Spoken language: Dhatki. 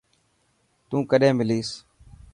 تون ڪڏين مليس.